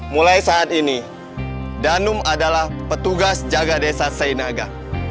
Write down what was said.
mulai saat ini danum adalah petugas jaga desa sainaga